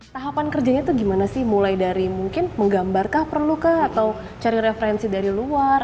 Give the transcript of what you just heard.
tahapan kerjanya itu gimana sih mulai dari mungkin menggambarkah perlukah atau cari referensi dari luar